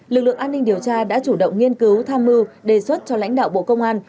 lực lượng an ninh điều tra đã chủ động nghiên cứu tham mưu đề xuất cho lãnh đạo bộ công an